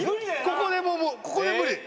ここでもうここで無理。